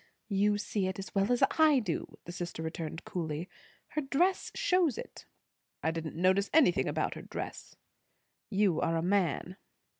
"You see it as well as I do," the sister returned coolly. "Her dress shows it." "I didn't notice anything about her dress." "You are a man."